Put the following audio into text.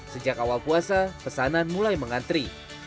sejak awal puasa pesanan mulai mengantri